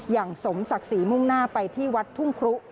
อย่างสมศักดิ์ศรีมุ่งหน้าไปที่วัดทุ่งครุ